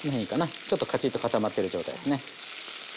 ちょっとかちっと固まってる状態ですね。